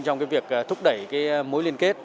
trong cái việc thúc đẩy cái mối liên kết